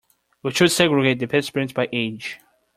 We should segregate the participants by age.